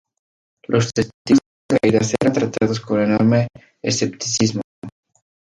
Los testigos de las caídas eran tratados con enorme escepticismo.